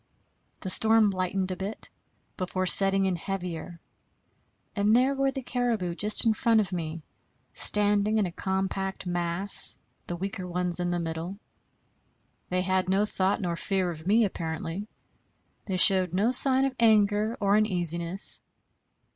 The storm lightened a bit, before setting in heavier; and there were the caribou just in front of me, standing in a compact mass, the weaker ones in the middle. They had no thought nor fear of me apparently; they showed no sign of anger or uneasiness.